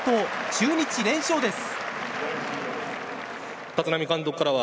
中日、連勝です。